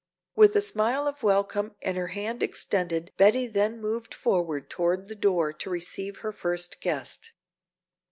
With a smile of welcome and her hand extended Betty then moved forward toward the door to receive her first guest.